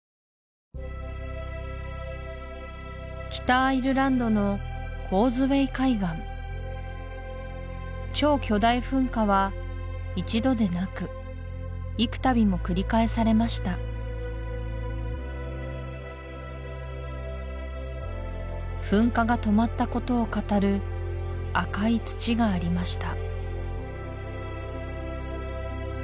北アイルランドのコーズウェイ海岸超巨大噴火は一度でなく幾たびも繰り返されました噴火が止まったことを語る赤い土がありました